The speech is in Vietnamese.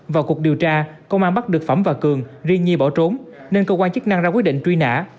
vào cuộc điều tra công an bắt được phẩm và cường riêng nhi bỏ trốn nên cơ quan chức năng ra quyết định truy nã